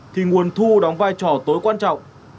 thì nguồn thu đóng vai trò tối quan trọng